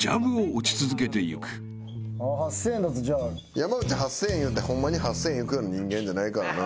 山内８，０００円言うてホンマに８，０００円いくような人間じゃないからな。